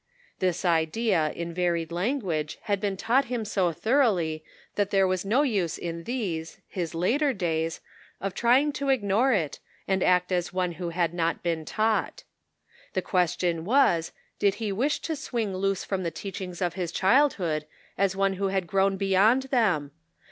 This idea in varied language had been taught him so thoroughly that there was no use in these, his later days, of trying to ignore it, and act as one who had not been taught. The question was, did he wish to swing loose from the teachings of his childhood as one who had grown beyond them